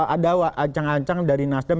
ada ancang ancang dari nasdem